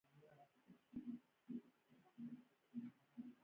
استخدام باید د ظرفیتونو د پراختیا لپاره وشي.